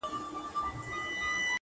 • د نادانی عمر چي تېر سي نه راځینه,